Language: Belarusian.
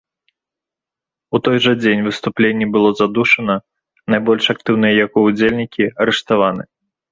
У той жа дзень выступленне было задушана, найбольш актыўныя яго ўдзельнікі арыштаваны.